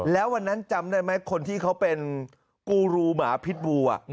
แล้ววันนั้นจำได้ไหมคนที่เขาเป็นกูรูหมาพิษบู